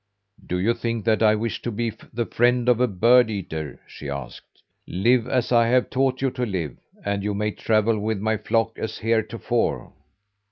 "Do you think that I wish to be the friend of a bird eater?" she asked. "Live as I have taught you to live, and you may travel with my flock as heretofore."